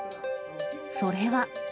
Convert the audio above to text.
それは。